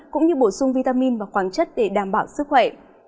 cũng như bổ sung vitamin và khoáng chất để đảm bảo sức khỏe